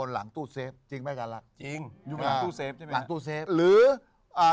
คิกคิกคิกคิกคิกคิกคิกคิกคิกคิก